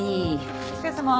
お疲れさま。